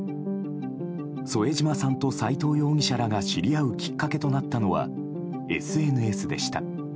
添島さんと斎藤容疑者らが知り合うきっかけとなったのはＳＮＳでした。